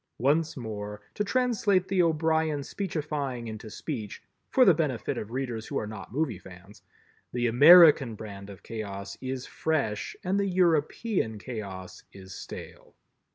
Once more, to translate the O'Brien speechifying into speech—for the benefit of readers who are not movie fans—the American brand of Chaos is fresh and the European Chaos is stale.